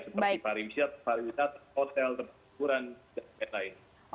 seperti pariwisat hotel tempat ukuran dan lain lain